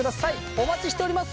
お待ちしております。